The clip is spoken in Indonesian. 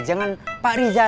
jangan pak rizal